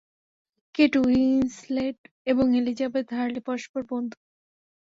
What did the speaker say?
Kate Winslet এবং Elizabeth Hurley পরস্পরের বন্ধু।